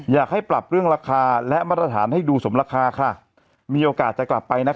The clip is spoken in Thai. อยากให้ปรับเรื่องราคาและมาตรฐานให้ดูสมราคาค่ะมีโอกาสจะกลับไปนะคะ